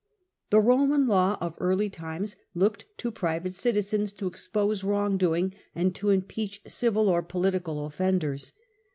The Roman appeared. early times looked to private citizens to expose wrong doing, and to impeach civil or political A.D. 14 37. Tiberius, 55 offenders.